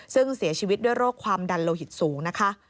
ซึ่งเสียชีวิตด้วยโรคความดันโลหิตสูงนะคะ